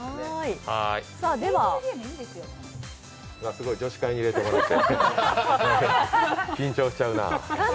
すごい、女子会に入れてもらって、緊張しちゃうなぁ。